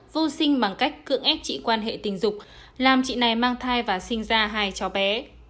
vô sinh bằng cách cưỡng ép chị quan hệ tình dục làm chị này mang thai và sinh ra hai cháu bé